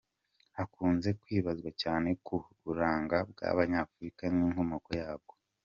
Hakunze kwibazwa cyane ku buranga bw’Abanyafurika n’inkomoko yabwo.